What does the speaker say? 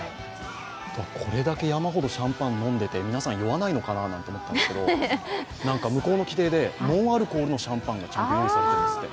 これだけ山ほどシャンパンを飲んでいて、皆さん、酔わないのかなと思ったんですけど、なんか向こうの規定でノンアルコールのシャンパンなんですって。